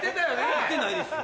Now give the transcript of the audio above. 行ってないですよ。